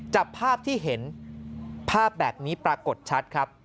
จับภาพที่เห็นภาพแบบนี้ปรากฏชัดครับ